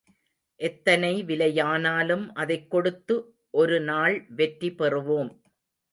எத்தனை விலையானாலும், அதைக் கொடுத்து, ஒரு நாள் வெற்றி பெறுவோம்.